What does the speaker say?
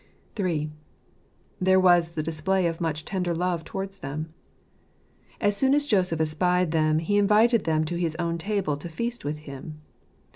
HI. There was the Display of much Tender Love towards Them. As soon as Joseph espied them he invited them to his own table to feast with him.